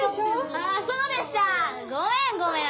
あっそうでしたごめんごめん